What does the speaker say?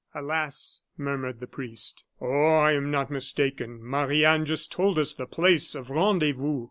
"Alas!" murmured the priest. "Oh I am not mistaken. Marie Anne just told us the place of rendezvous.